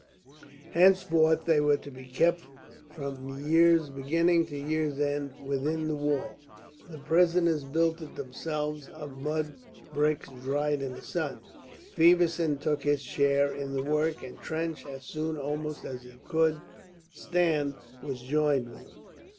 Henceforward they were to be kept from year's beginning to year's end within the wall. The prisoners built it themselves of mud bricks dried in the sun. Feversham took his share in the work, and Trench, as soon almost as he could stand, was joined with him.